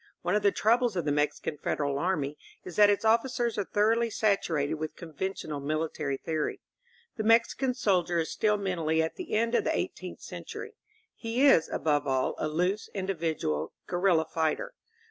One of the troubles of the Mexican federal army is that its officers are thoroughly saturated with conventional military theory. The Mexican soldier is still mentally at the end of the eigh teenth century. He is, above all, a loose, individual, guerrilla fighter.